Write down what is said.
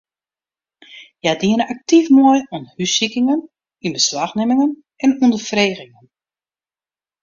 Hja diene aktyf mei oan hússikingen, ynbeslachnimmingen en ûnderfregingen.